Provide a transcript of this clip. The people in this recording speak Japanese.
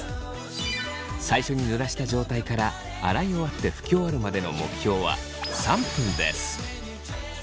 最初にぬらした状態から洗い終わって拭き終わるまでの目標は３分です。